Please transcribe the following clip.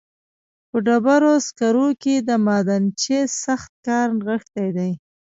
په ډبرو سکرو کې د معدنچي سخت کار نغښتی دی